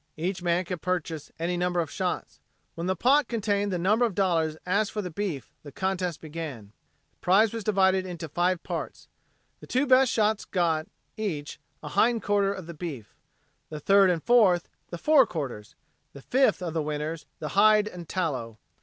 Each man could purchase any number of shots. When the pot contained the number of dollars asked for the beef the contest began. The prize was divided into five parts. The two best shots got, each, a hindquarter of the beef. The third and fourth, the forequarters; the fifth of the winners, the hide and tallow.